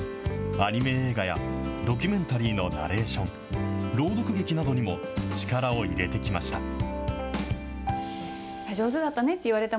アニメ映画や、ドキュメンタリーのナレーション、朗読劇などにも力を入れてきました。